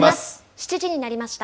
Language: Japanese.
７時になりました。